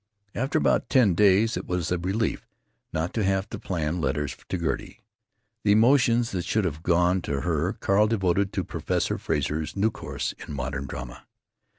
After about ten days it was a relief not to have to plan letters to Gertie. The emotions that should have gone to her Carl devoted to Professor Frazer's new course in modern drama.